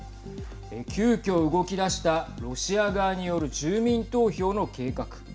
急きょ動き出したロシア側による住民投票の計画。